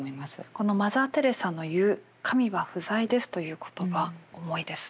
このマザー・テレサの言う「神は不在です」という言葉重いですね。